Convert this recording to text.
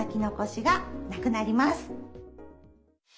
しがなくなります。